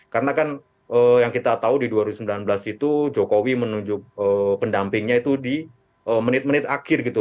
karena kan yang kita tahu di dua ribu sembilan belas itu jokowi menunjuk pendampingnya itu di menit menit akhir gitu